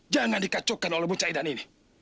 jangan dikacaukan oleh bucaidan ini